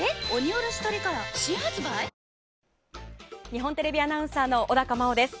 日本テレビアナウンサーの小高茉緒です。